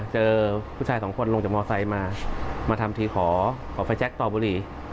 เจอผู้ชายสองคนลงจากมอไซค์มามาทำทีขอขอไฟแจ็คต่อบุรี